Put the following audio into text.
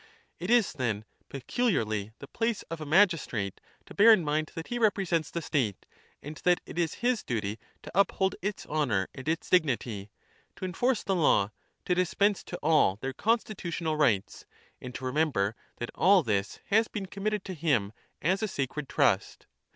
It iSj then, peculiarly the place of a magistrate to (3) magistrates, bear in mind that he represents the state and that it is his duty to uphold its honour and its dignity, to enforce the law, to dispense to all their constitutional rights, and to remember that all this has been com mitted to him as a sacred trust.